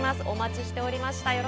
お待ちしておりました。